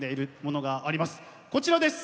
こちらです！